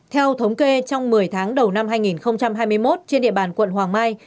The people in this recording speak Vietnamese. theo thống kê trong một mươi tháng đầu năm hai nghìn hai mươi một trên địa bàn quận hoàng mai